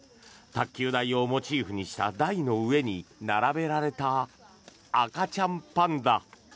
卓球台をモチーフにした台の上に並べられた赤ちゃんパンダ。